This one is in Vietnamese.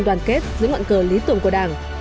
đoàn kết giữa ngọn cờ lý tưởng của đảng